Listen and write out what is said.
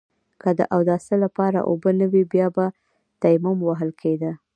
که د اوداسه لپاره اوبه نه وي بيا به تيمم وهل کېده.